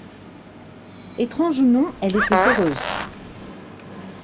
Étrange ou non, elle était heureuse!